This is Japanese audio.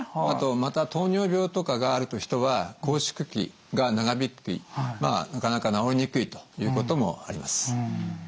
あとまた糖尿病とかがある人は拘縮期が長引きなかなか治りにくいということもあります。